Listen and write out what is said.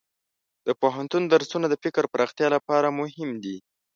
د پوهنتون درسونه د فکر پراختیا لپاره مهم دي.